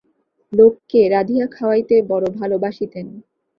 লোককে রাঁধিয়া খাওয়াইতে বড় ভালবাসিতেন।